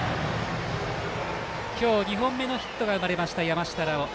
今日２本目のヒットが生まれた山下羅馬。